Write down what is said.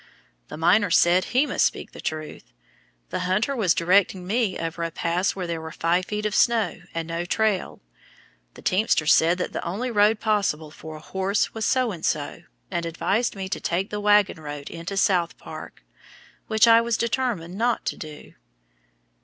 The miner said he "must speak the truth," the hunter was directing me over a pass where there were five feet of snow, and no trail. The teamster said that the only road possible for a horse was so and so, and advised me to take the wagon road into South Park, which I was determined not to do.